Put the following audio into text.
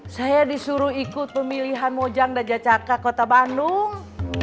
saya disuruh ikut pemilihan mojang dan jacaka kota bandung